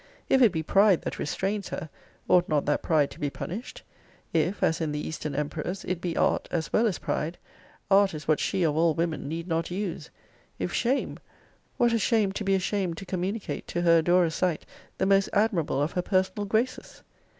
If it be pride that restrains her, ought not that pride to be punished? If, as in the eastern emperors, it be art as well as pride, art is what she of all women need not use. If shame, what a shame to be ashamed to communicate to her adorer's sight the most admirable of her personal graces?